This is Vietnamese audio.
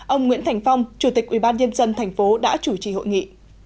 ông nguyễn thành phong chủ tịch ubnd tp đã chủ trì hội nghị